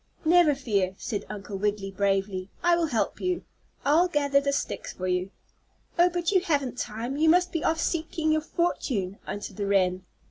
"Never fear!" said Uncle Wiggily, bravely. "I will help you. I'll gather the sticks for you." "Oh, but you haven't time; you must be off seeking your fortune," answered the wren.